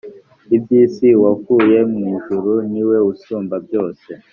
iby isi uwavuye mu ijuru ni we usumba byose